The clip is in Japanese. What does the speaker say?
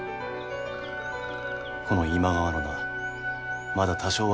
この今川の名まだ多少は役に立とう。